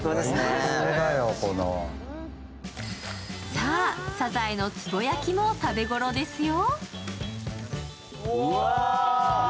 さあ、さざえのつぼ焼きも食べごろですよ。